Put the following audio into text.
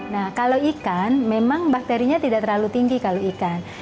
nah kalau ikan memang bakterinya tidak terlalu tinggi kalau ikan